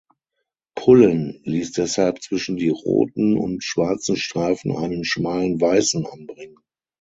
Pullen ließ deshalb zwischen die roten und schwarzen Streifen einen schmalen weißen anbringen.